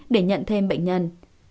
để nhận thêm bệnh nhân